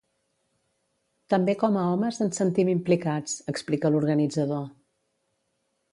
També com a homes ens sentim implicats, explica l'organitzador.